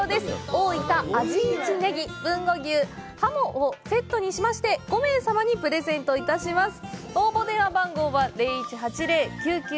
大分味一ねぎ、豊後牛、ハモなどをセットにしまして５名様にプレゼントいたします。